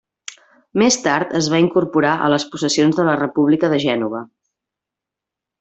Més tard es va incorporar a les possessions de la República de Gènova.